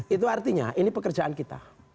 itu artinya ini pekerjaan kita